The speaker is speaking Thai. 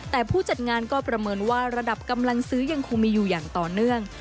แต่ผู้จัดงานก็ประเมินว่าระดับกำลังซื้อยังคงมีอยู่อย่างต่อเนื่อง